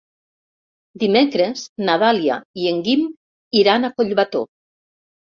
Dimecres na Dàlia i en Guim iran a Collbató.